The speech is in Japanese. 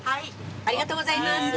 ありがとうございます。